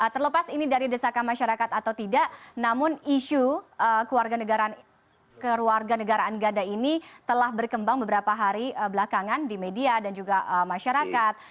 terlepas ini dari desakan masyarakat atau tidak namun isu keluarga negaraan gada ini telah berkembang beberapa hari belakangan di media dan juga masyarakat